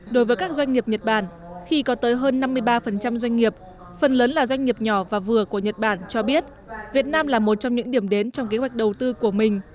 đối với các doanh nghiệp nhật bản khi có tới hơn năm mươi ba doanh nghiệp phần lớn là doanh nghiệp nhỏ và vừa của nhật bản cho biết việt nam là một trong những điểm đến trong kế hoạch đầu tư của mình